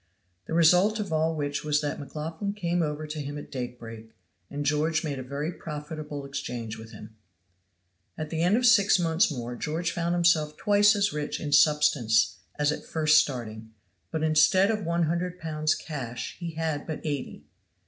The result of all which was that McLaughlan came over to him at daybreak and George made a very profitable exchange with him. At the end of six months more George found himself twice as rich in substance as at first starting; but instead of one hundred pounds cash he had but eighty.